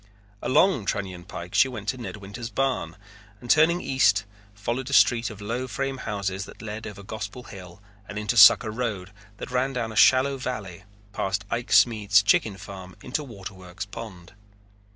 Along Trunion Pike she went to Ned Winters' barn and turning east followed a street of low frame houses that led over Gospel Hill and into Sucker Road that ran down a shallow valley past Ike Smead's chicken farm to Waterworks Pond.